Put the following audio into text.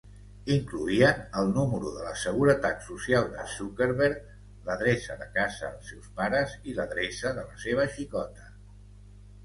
Incloïen el número de la Seguretat Social de Zuckerberg, l'adreça de casa els seus pares i l'adreça de la seva xicota.